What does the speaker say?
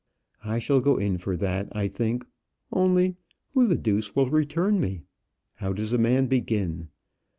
"I shall go in for that, I think; only who the deuce will return me? How does a man begin?